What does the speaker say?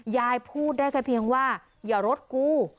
ยายพูดได้แค่เพียงว่าอย่ารถกู